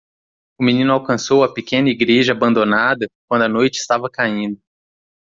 O menino alcançou a pequena igreja abandonada quando a noite estava caindo.